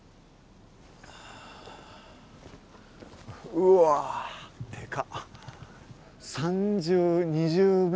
うわっでか！